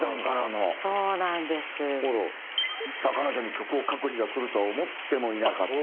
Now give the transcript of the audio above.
「彼女に曲を書く日が来るとは思ってもいなかった」